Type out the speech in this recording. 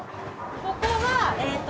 ここはえっと